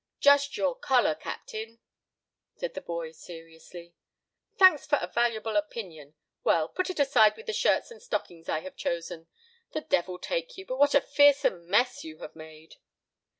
"Just your color, captain," said the boy, seriously. "Thanks for a valuable opinion. Well, put it aside with the shirts and stockings I have chosen. The devil take you, but what a fearsome mess you have made!"